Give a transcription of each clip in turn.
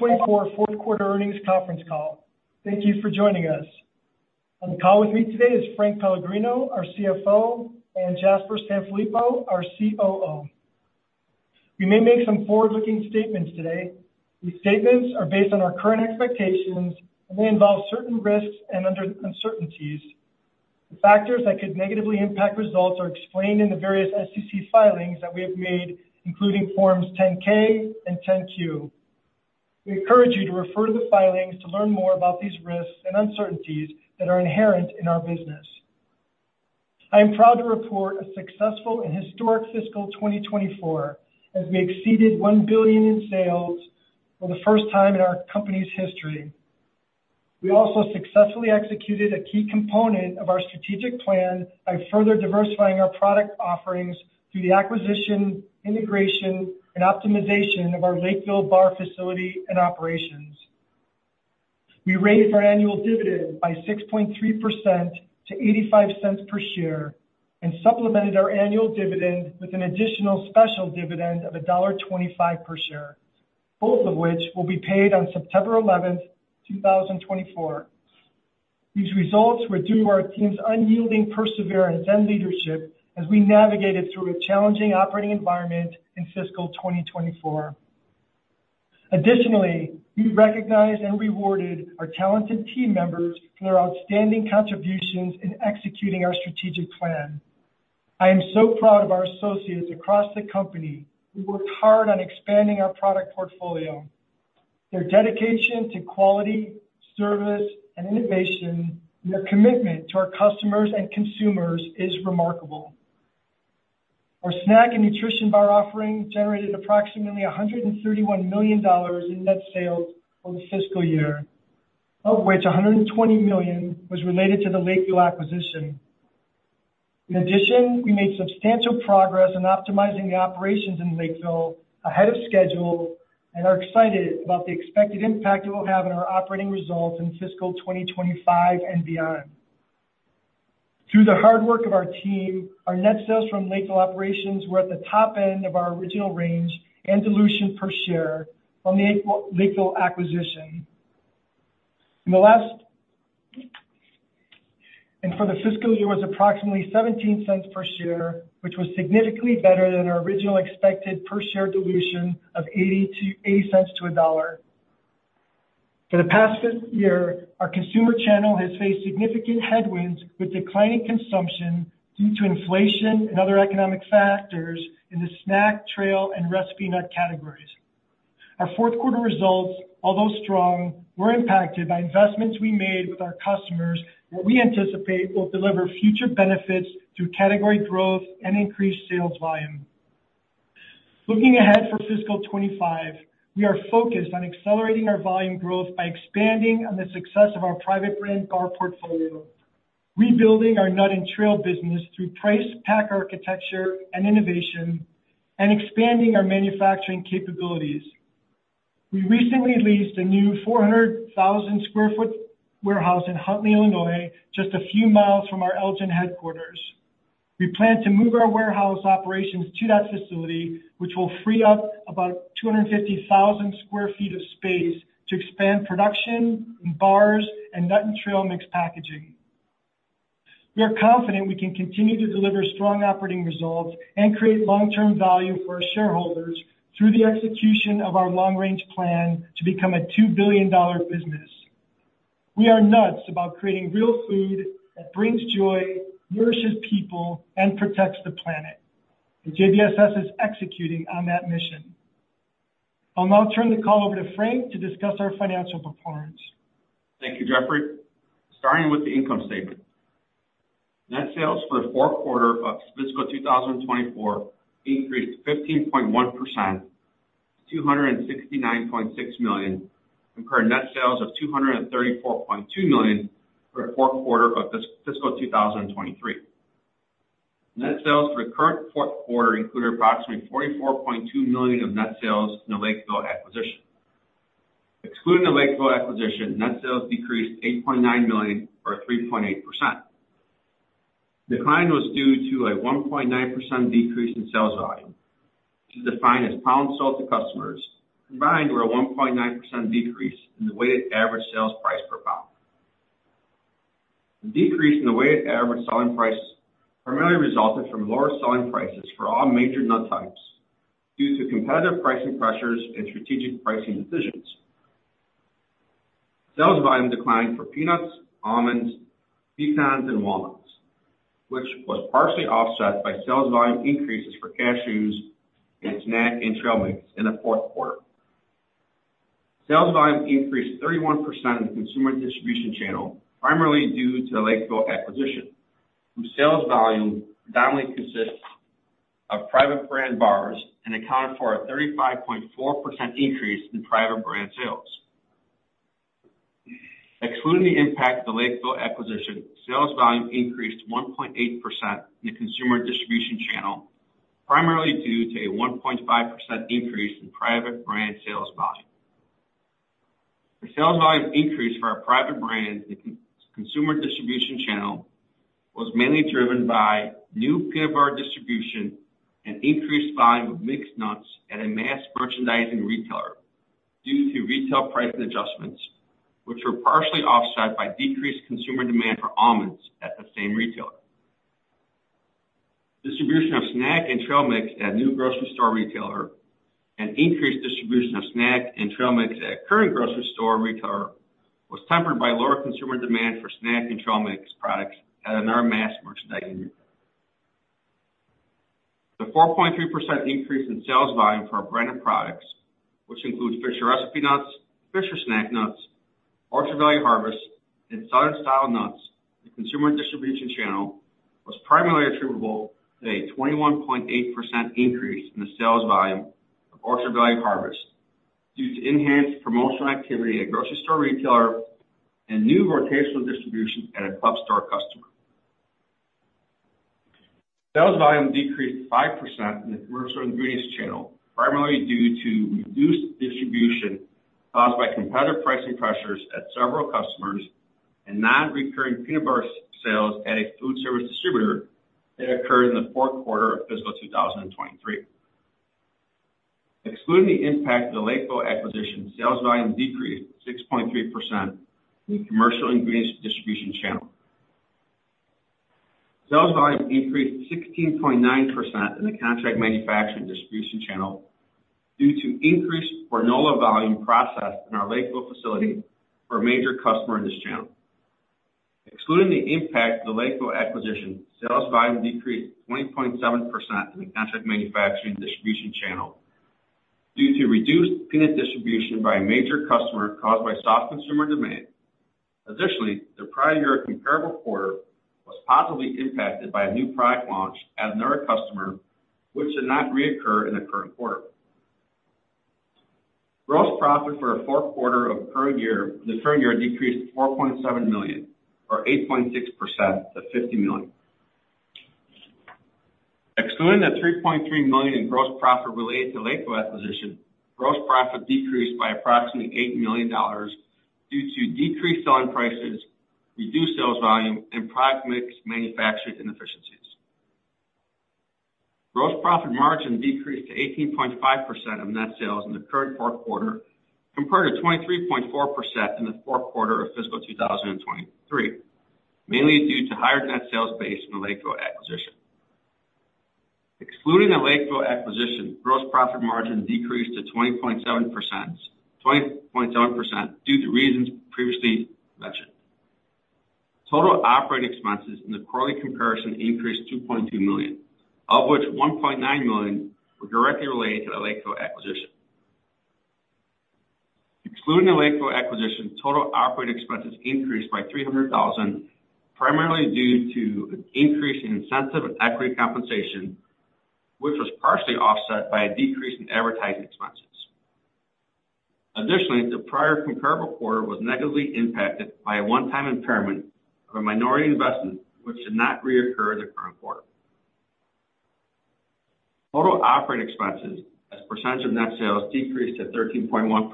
2024 Fourth Quarter Earnings Conference Call. Thank you for joining us. On the call with me today is Frank Pellegrino, our CFO, and Jasper Sanfilippo, our COO. We may make some forward-looking statements today. These statements are based on our current expectations, and may involve certain risks and uncertainties. The factors that could negatively impact results are explained in the various SEC filings that we have made, including Forms 10-K and 10-Q. We encourage you to refer to the filings to learn more about these risks and uncertainties that are inherent in our business. I am proud to report a successful and historic Fiscal 2024, as we exceeded $1 billion in sales for the first time in our company's history. We also successfully executed a key component of our strategic plan by further diversifying our product offerings through the acquisition, integration, and optimization of our Lakeville bar facility and operations. We raised our annual dividend by 6.3% to $0.85 per share and supplemented our annual dividend with an additional special dividend of $1.25 per share, both of which will be paid on September 11, 2024. These results were due to our team's unyielding perseverance and leadership as we navigated through a challenging operating environment in Fiscal 2024. Additionally, we recognized and rewarded our talented team members for their outstanding contributions in executing our strategic plan. I am so proud of our associates across the company, who worked hard on expanding our product portfolio. Their dedication to quality, service, and innovation, and their commitment to our customers and consumers is remarkable. Our snack and nutrition bar offering generated approximately $131 million in net sales for the fiscal year, of which $120 million was related to the Lakeville acquisition. In addition, we made substantial progress in optimizing the operations in Lakeville ahead of schedule and are excited about the expected impact it will have on our operating results in Fiscal 2025 and beyond. Through the hard work of our team, our net sales from Lakeville operations were at the top end of our original range and dilution per share from the Lakeville acquisition. And for the fiscal year, was approximately $0.17 per share, which was significantly better than our original expected per share dilution of $0.80-$1. For the past year, our consumer channel has faced significant headwinds with declining consumption due to inflation and other economic factors in the snack, trail, and recipe nut categories. Our fourth quarter results, although strong, were impacted by investments we made with our customers that we anticipate will deliver future benefits through category growth and increased sales volume. Looking ahead for Fiscal 2025, we are focused on accelerating our volume growth by expanding on the success of our private brand bar portfolio, rebuilding our nut and trail business through price-pack architecture and innovation, and expanding our manufacturing capabilities. We recently leased a new 400,000 sq ft warehouse in Huntley, Illinois, just a few miles from our Elgin headquarters. We plan to move our warehouse operations to that facility, which will free up about 250,000 sq ft of space to expand production in bars and nut and trail mix packaging. We are confident we can continue to deliver strong operating results and create long-term value for our shareholders through the execution of our long-range plan to become a $2 billion business. We are nuts about creating real food that brings joy, nourishes people, and protects the planet. And JBSS is executing on that mission. I'll now turn the call over to Frank to discuss our financial performance. Thank you, Jeffrey. Starting with the income statement. Net sales for the fourth quarter of Fiscal 2024 increased 15.1% to $269.6 million, compared to net sales of $234.2 million for the fourth quarter of Fiscal 2023. Net sales for the current fourth quarter included approximately $44.2 million of net sales in the Lakeville acquisition. Excluding the Lakeville acquisition, net sales decreased $8.9 million or 3.8%. Decline was due to a 1.9% decrease in sales volume, which is defined as pounds sold to customers, combined with a 1.9% decrease in the weighted average sales price per pound. The decrease in the weighted average selling price primarily resulted from lower selling prices for all major nut types due to competitive pricing pressures and strategic pricing decisions. Sales volume declined for peanuts, almonds, pecans, and walnuts, which was partially offset by sales volume increases for cashews and snack and trail mix in the fourth quarter. Sales volume increased 31% in the Consumer Distribution Channel, primarily due to the Lakeville acquisition, whose sales volume predominantly consists of private brand bars and accounted for a 35.4% increase in private brand sales. Excluding the impact of the Lakeville acquisition, sales volume increased 1.8% in the Consumer Distribution Channel, primarily due to a 1.5% increase in private brand sales volume. The sales volume increase for our private brand in Consumer Distribution Channel was mainly driven by new peanut butter distribution and increased volume of mixed nuts at a mass merchandising retailer due to retail pricing adjustments, which were partially offset by decreased consumer demand for almonds at the same retailer. Distribution of snack and trail mix at a new grocery store retailer and increased distribution of snack and trail mix at current grocery store retailer was tempered by lower consumer demand for snack and trail mix products at another mass merchandising retailer. The 4.3% increase in sales volume for our branded products, which includes Fisher Recipe Nuts, Fisher Snack Nuts, Orchard Valley Harvest, and Southern Style Nuts, the Consumer Distribution Channel, was primarily attributable to a 21.8% increase in the sales volume of Orchard Valley Harvest, due to enhanced promotional activity at grocery store retailer and new rotational distribution at a club store customer. Sales volume decreased 5% in the Commercial Ingredients Channel, primarily due to reduced distribution caused by competitive pricing pressures at several customers and non-recurring peanut butter sales at a food service distributor that occurred in the fourth quarter of Fiscal 2023. Excluding the impact of the Lakeville acquisition, sales volume decreased 6.3% in the commercial ingredients distribution channel. Sales volume increased 16.9% in the contract manufacturing distribution channel due to increased granola volume processed in our Lakeville facility for a major customer in this channel. Excluding the impact of the Lakeville acquisition, sales volume decreased 20.7% in the contract manufacturing distribution channel due to reduced peanut distribution by a major customer caused by soft consumer demand. Additionally, the prior year comparable quarter was positively impacted by a new product launch at another customer, which did not reoccur in the current quarter. Gross profit for our fourth quarter of current year, the current year decreased to $4.7 million, or 8.6% to $50 million. Excluding the $3.3 million in gross profit related to Lakeville acquisition, gross profit decreased by approximately $8 million due to decreased selling prices, reduced sales volume, and product mix manufacturing inefficiencies. Gross profit margin decreased to 18.5% of net sales in the current fourth quarter, compared to 23.4% in the fourth quarter of Fiscal 2023, mainly due to higher net sales base in the Lakeville acquisition. Excluding the Lakeville acquisition, gross profit margin decreased to 20.7% due to reasons previously mentioned. Total operating expenses in the quarterly comparison increased $2.2 million, of which $1.9 million were directly related to the Lakeville acquisition. Excluding the Lakeville acquisition, total operating expenses increased by $300,000, primarily due to an increase in incentive and equity compensation, which was partially offset by a decrease in advertising expenses. Additionally, the prior comparable quarter was negatively impacted by a one-time impairment of a minority investment, which did not reoccur in the current quarter. Total operating expenses as a percentage of net sales decreased to 13.1%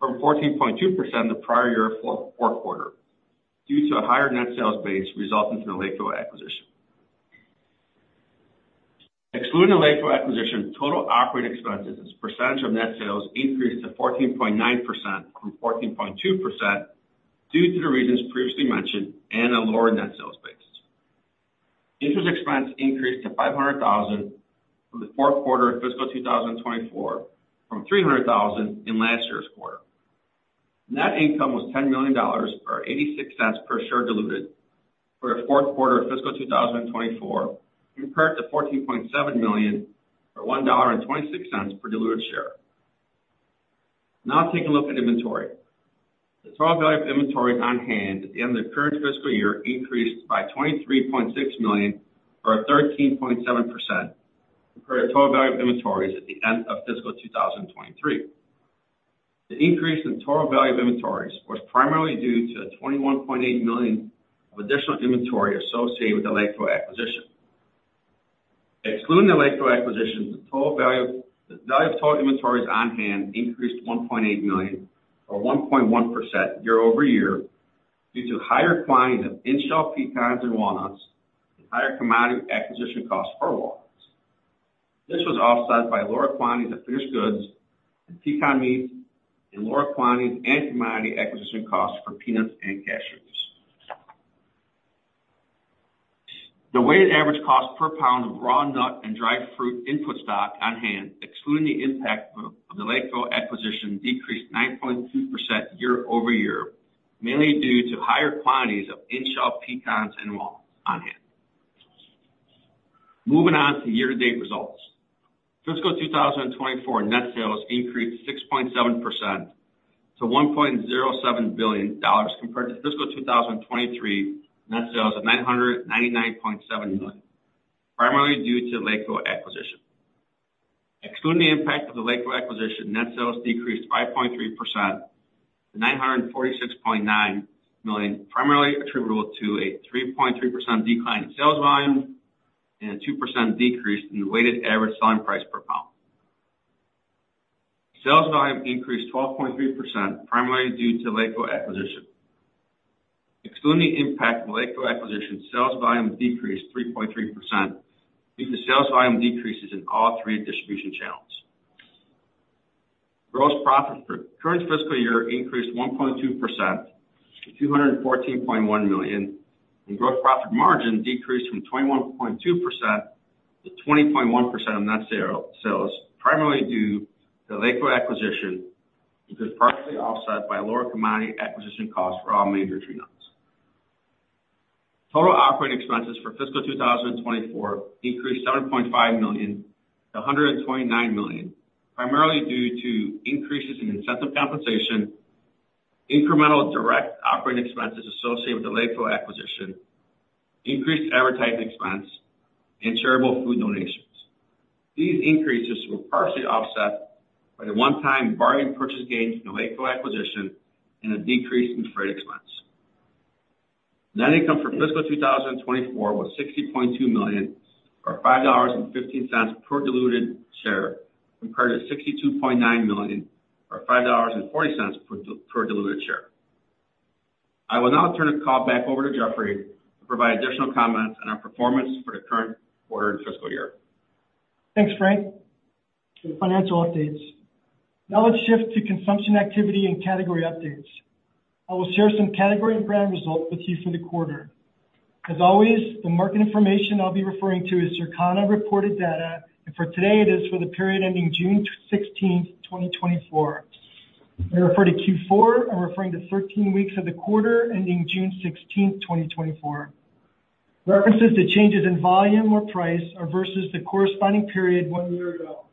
from 14.2% in the prior year fourth quarter, due to a higher net sales base resulting from the Lakeville acquisition. Excluding the Lakeville acquisition, total operating expenses as a percentage of net sales increased to 14.9% from 14.2% due to the reasons previously mentioned and a lower net sales base. Interest expense increased to $500,000 from the fourth quarter of Fiscal 2024, from $300,000 in last year's quarter. Net income was $10 million, or $0.86 per diluted share for the fourth quarter of Fiscal 2024, compared to $14.7 million or $1.26 per diluted share. Now let's take a look at inventory. The total value of inventories on hand at the end of the current fiscal year increased by $23.6 million, or 13.7%, compared to total value of inventories at the end of Fiscal 2023. The increase in total value of inventories was primarily due to $21.8 million of additional inventory associated with the Lakeville acquisition. Excluding the Lakeville acquisition, the total value of inventories on hand increased $1.8 million, or 1.1% year-over-year, due to higher quantities of in-shell pecans and walnuts and higher commodity acquisition costs for walnuts. This was offset by lower quantities of finished goods and pecan meats and lower quantities and commodity acquisition costs for peanuts and cashew. The weighted average cost per pound of raw nut and dried fruit input stock on hand, excluding the impact of the Lakeville acquisition, decreased 9.2% year-over-year, mainly due to higher quantities of in-shell pecans and walnuts on hand. Moving on to year-to-date results. Fiscal 2024 net sales increased 6.7% to $1.07 billion, compared to Fiscal 2023 net sales of $999.7 million, primarily due to Lakeville acquisition. Excluding the impact of the Lakeville acquisition, net sales decreased 5.3% to $946.9 million, primarily attributable to a 3.3% decline in sales volume and a 2% decrease in the weighted average selling price per pound. Sales volume increased 12.3%, primarily due to the Lakeville acquisition. Excluding the impact of the Lakeville acquisition, sales volume decreased 3.3% due to sales volume decreases in all three distribution channels. Gross profit for current fiscal year increased 1.2% to $214.1 million, and gross profit margin decreased from 21.2%-20.1% of net sales, primarily due to the Lakeville acquisition, which was partially offset by lower commodity acquisition costs for all major tree nuts. Total operating expenses for Fiscal 2024 increased $7.5 million-$129 million, primarily due to increases in incentive compensation, incremental direct operating expenses associated with the Lakeville acquisition, increased advertising expense, and charitable food donations. These increases were partially offset by the one-time bargain purchase gains from the Lakeville acquisition and a decrease in freight expense. Net income for Fiscal 2024 was $60.2 million, or $5.15 per diluted share, compared to $62.9 million, or $5.40 per diluted share. I will now turn the call back over to Jeffrey to provide additional comments on our performance for the current quarter and fiscal year. Thanks, Frank, for the financial updates. Now let's shift to consumption activity and category updates. I will share some category and brand results with you for the quarter. As always, the market information I'll be referring to is Circana reported data, and for today, it is for the period ending June 16th, 2024. When I refer to Q4, I'm referring to 13 weeks of the quarter, ending June 16th, 2024. References to changes in volume or price are versus the corresponding period one year ago.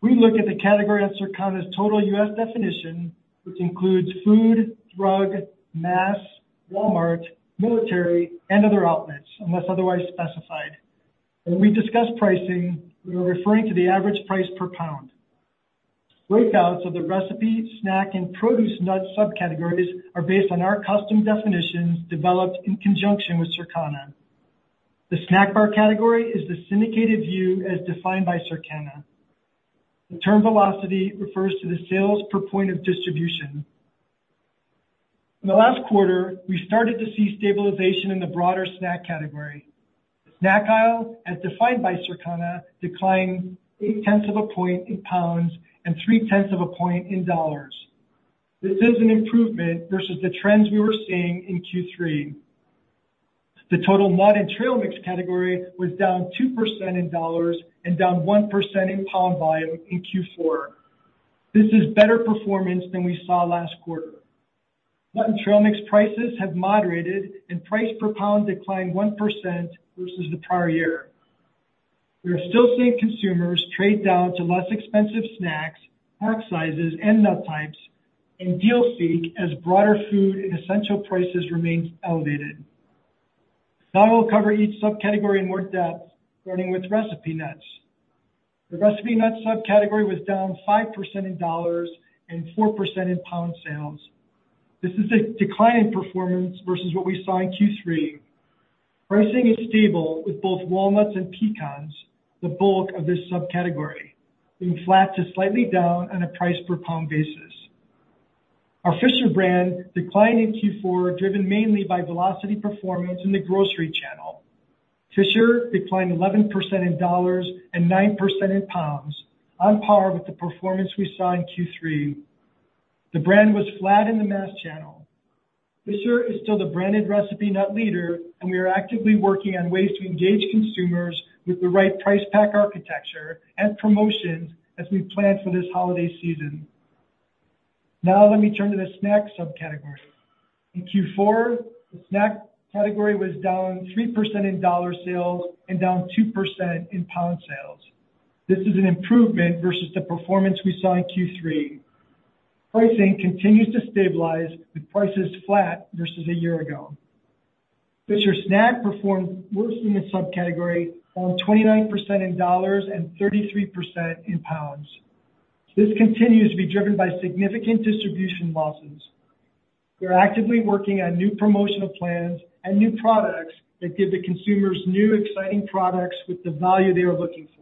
We look at the category of Circana's total U.S. definition, which includes food, drug, mass, Walmart, military, and other outlets, unless otherwise specified. When we discuss pricing, we are referring to the average price per pound. Breakouts of the recipe, snack, and produce nuts subcategories are based on our custom definitions developed in conjunction with Circana. The snack bar category is the syndicated view as defined by Circana. The term velocity refers to the sales per point of distribution. In the last quarter, we started to see stabilization in the broader snack category. Snack aisle, as defined by Circana, declined eight tenths of a point in pounds and three tenths of a point in dollars. This is an improvement versus the trends we were seeing in Q3. The total nut and trail mix category was down 2% in dollars and down 1% in pound volume in Q4. This is better performance than we saw last quarter. Nut and trail mix prices have moderated and price per pound declined 1% versus the prior year. We are still seeing consumers trade down to less expensive snacks, pack sizes, and nut types and deal seek as broader food and essential prices remain elevated. Now I will cover each subcategory in more depth, starting with recipe nuts. The recipe nuts subcategory was down 5% in dollars and 4% in pound sales. This is a decline in performance versus what we saw in Q3. Pricing is stable with both walnuts and pecans, the bulk of this subcategory, being flat to slightly down on a price per pound basis. Our Fisher brand declined in Q4, driven mainly by velocity performance in the grocery channel. Fisher declined 11% in dollars and 9% in pounds, on par with the performance we saw in Q3. The brand was flat in the mass channel. Fisher is still the branded recipe nut leader, and we are actively working on ways to engage consumers with the right price pack architecture and promotions as we plan for this holiday season. Now let me turn to the snack subcategory. In Q4, the snack category was down 3% in dollar sales and down 2% in pound sales. This is an improvement versus the performance we saw in Q3. Pricing continues to stabilize, with prices flat versus a year ago. Fisher Snack performed worse in this subcategory, down 29% in dollars and 33% in pounds. This continues to be driven by significant distribution losses. We are actively working on new promotional plans and new products that give the consumers new, exciting products with the value they are looking for.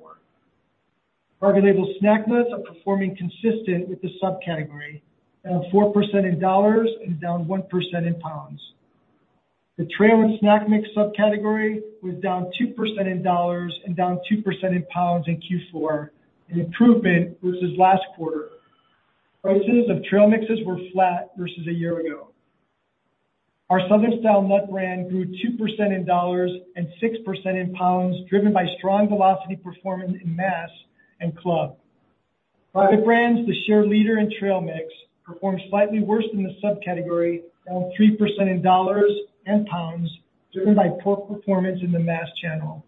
Private label snack nuts are performing consistent with the subcategory, down 4% in dollars and down 1% in pounds. The trail and snack mix subcategory was down 2% in dollars and down 2% in pounds in Q4, an improvement versus last quarter. Prices of trail mixes were flat versus a year ago. Our Southern Style Nuts brand grew 2% in dollars and 6% in pounds, driven by strong velocity performance in mass and club. Private brands, the share leader in trail mix, performed slightly worse than the subcategory, down 3% in dollars and pounds, driven by poor performance in the mass channel.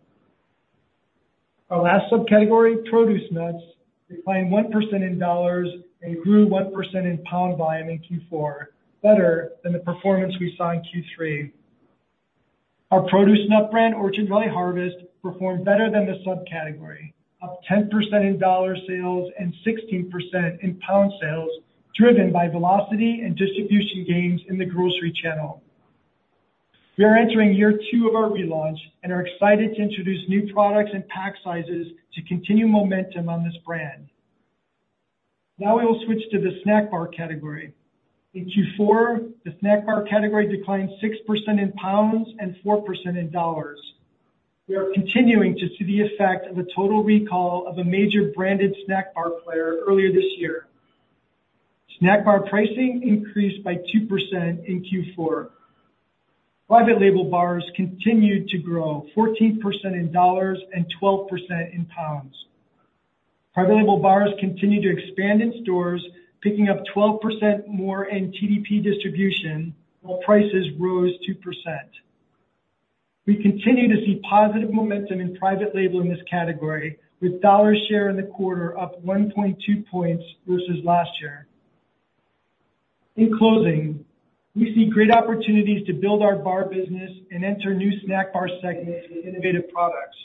Our last subcategory, produce nuts, declined 1% in dollars and grew 1% in pound volume in Q4, better than the performance we saw in Q3. Our produce nut brand, Orchard Valley Harvest, performed better than the subcategory, up 10% in dollar sales and 16% in pound sales, driven by velocity and distribution gains in the grocery channel. We are entering year two of our relaunch and are excited to introduce new products and pack sizes to continue momentum on this brand. Now we will switch to the snack bar category. In Q4, the snack bar category declined 6% in pounds and 4% in dollars. We are continuing to see the effect of a total recall of a major branded snack bar player earlier this year. Snack bar pricing increased by 2% in Q4. Private label bars continued to grow 14% in dollars and 12% in pounds. Private label bars continued to expand in stores, picking up 12% more in TDP distribution, while prices rose 2%. We continue to see positive momentum in private label in this category, with dollar share in the quarter up 1.2 points versus last year. In closing, we see great opportunities to build our bar business and enter new snack bar segments with innovative products.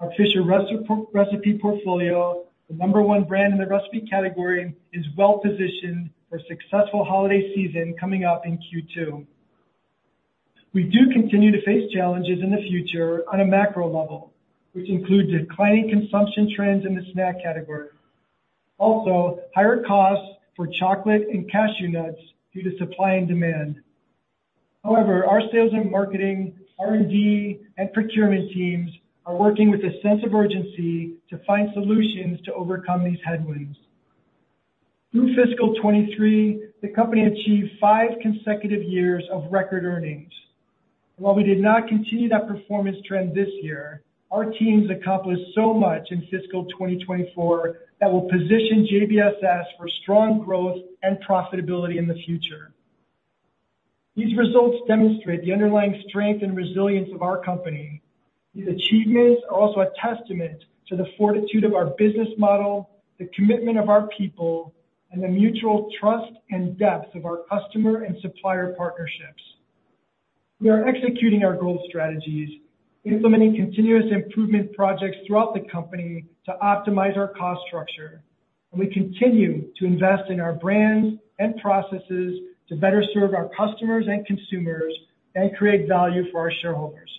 Our Fisher Recipe portfolio, the number one brand in the recipe category, is well positioned for a successful holiday season coming up in Q2. We do continue to face challenges in the future on a macro level, which include declining consumption trends in the snack category. Also, higher costs for chocolate and cashew nuts due to supply and demand. However, our sales and marketing, R&D, and procurement teams are working with a sense of urgency to find solutions to overcome these headwinds. Through Fiscal 2023, the company achieved five consecutive years of record earnings. While we did not continue that performance trend this year, our teams accomplished so much in Fiscal 2024 that will position JBSS for strong growth and profitability in the future. These results demonstrate the underlying strength and resilience of our company. These achievements are also a testament to the fortitude of our business model, the commitment of our people, and the mutual trust and depth of our customer and supplier partnerships. We are executing our growth strategies, implementing continuous improvement projects throughout the company to optimize our cost structure, and we continue to invest in our brands and processes to better serve our customers and consumers and create value for our shareholders.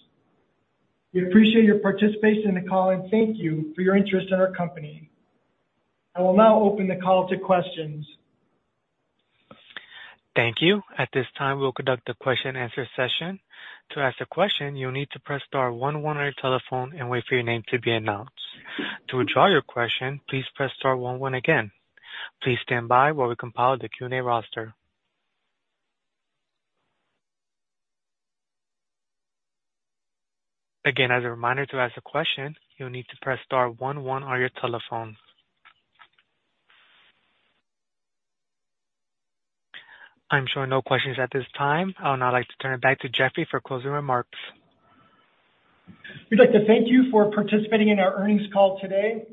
We appreciate your participation in the call, and thank you for your interest in our company. I will now open the call to questions. Thank you. At this time, we'll conduct a question-and-answer session. To ask a question, you'll need to press star one one on your telephone and wait for your name to be announced. To withdraw your question, please press star one one again. Please stand by while we compile the Q&A roster. Again, as a reminder, to ask a question, you'll need to press star one one on your telephone. I'm showing no questions at this time. I would now like to turn it back to Jeffrey for closing remarks. We'd like to thank you for participating in our earnings call today.